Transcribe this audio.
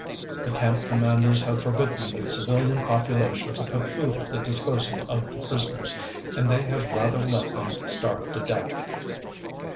"The camp commanders have forbidden the civilian population to put food at the disposal of the prisoners, and they have rather let them starve to death.